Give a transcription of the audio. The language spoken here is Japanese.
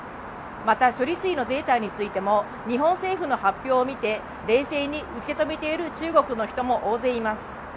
また、処理水のデータについても日本政府の発表を見て冷静に受け止めている中国の人も大勢います。